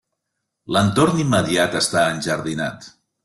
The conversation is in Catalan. L'entorn immediat està enjardinat.